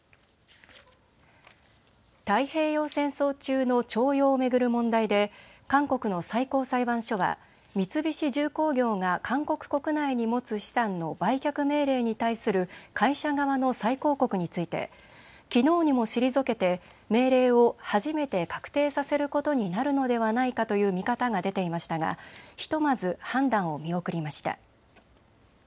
太平洋戦争中の徴用を巡る問題で韓国の最高裁判所は三菱重工業が韓国国内に持つ資産の売却命令に対する会社側の再抗告についてきのうにも退けて命令を初めて確定させることになるのではないかという見方が出ていましたがひとまず判断を見送りました。